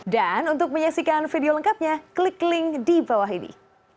untuk menyaksikan video lengkapnya klik link di bawah ini